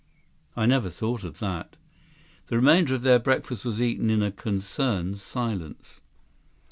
"I never thought of that." The remainder of their breakfast was eaten in a concerned silence.